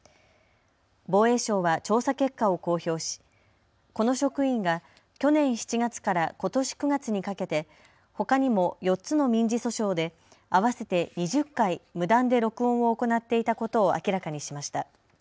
防衛省は調査結果を公表しこの職員が去年７月からことし９月にかけて、ほかにも４つの民事訴訟で合わせて２０回、無断で録音を行っていたことを明らかにしました。